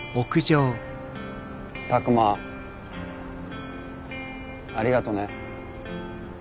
拓真ありがとね。